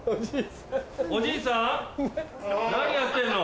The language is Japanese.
おじいさん何やってんの？